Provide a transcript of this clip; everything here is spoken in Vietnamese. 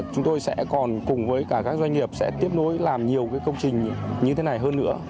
chúng tôi sẽ còn cùng với cả các doanh nghiệp sẽ tiếp nối làm nhiều công trình như thế này hơn nữa